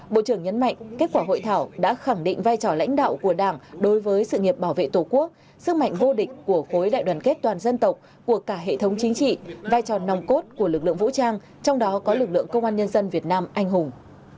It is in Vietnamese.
bộ trưởng nhấn mạnh kết quả hội thảo đã khẳng định vai trò lãnh đạo của đảng đối với sự nghiệp bảo vệ tổ quốc sức mạnh vô địch của khối đại đoàn kết toàn dân tộc của cả hệ thống chính trị vai trò nòng cốt của lực lượng vũ trang trong đó có lực lượng công an nhân dân việt nam anh hùng